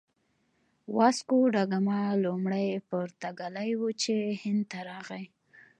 واسکوداګاما لومړی پرتګالی و چې هند ته راغی.